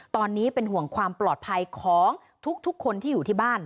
ตอนนี้เป็นห่วงความปลอดภัยของทุกคนที่อยู่ที่บ้าน